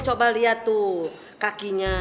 coba liat tuh kakinya